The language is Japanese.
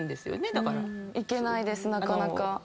いけないですなかなか。